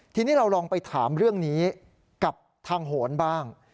ทีนี้เราลองไปถามเรื่องนี้กับทางโหนบ้าง